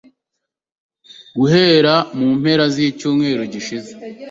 Guhera mu mpera z’icyumweru gishize